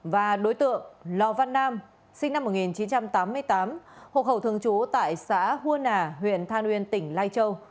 và đối tượng lò văn nam sinh năm một nghìn chín trăm tám mươi tám hộ khẩu thường trú tại xã hua nà huyện than uyên tỉnh lai châu